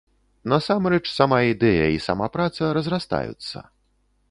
Насамрэч, сама ідэя і сама праца разрастаюцца.